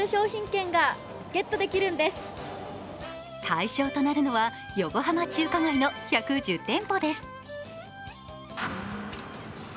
対象となるのは横浜中華街の１１０店舗です。